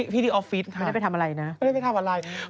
พี่ดีออฟฟิศค่ะไม่ได้ไปทำอะไรนะ